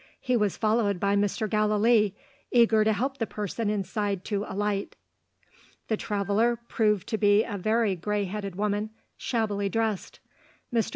He was followed by Mr. Gallilee, eager to help the person inside to alight. The traveller proved to be a grey headed woman, shabbily dressed. Mr.